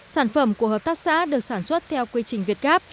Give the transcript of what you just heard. sản phẩm của hợp tác xã được sản xuất theo quy trình việt gáp